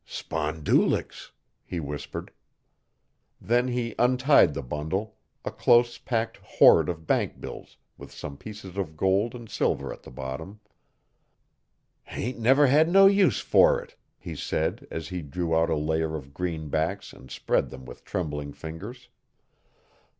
'Spondoolix,' he whispered. Then he untied the bundle a close packed hoard of bankbills with some pieces of gold and silver at the bottom. 'Hain't never hed no use fer it,' he said as he drew out a layer of greenbacks and spread them with trembling fingers.